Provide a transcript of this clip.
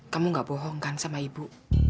kamu gak bohong kan sama ibu